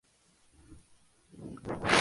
Dirigida por Randall Wallace.